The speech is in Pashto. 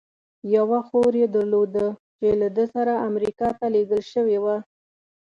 یوه خور یې درلوده، چې له ده سره امریکا ته لېږل شوې وه.